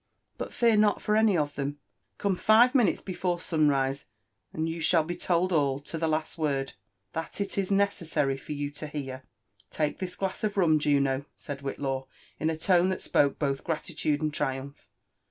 But fear not for aoy of them 1 — Come Gve minutes berore sun rise, and you shall be told all, — lo the last word,— that it is necessary for you to hear," " Take this glass of rum, Juno," said Whillaw in a tone that spoke both gratitude and triumph.